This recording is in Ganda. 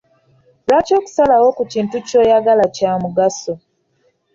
Lwaki okusalawo ku kintu ky'oyagala kya mugaso?